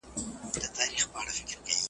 زه که در ځم نو بې اختیاره درځم .